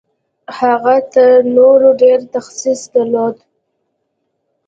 هغه تر نورو ډېر تخصص درلود.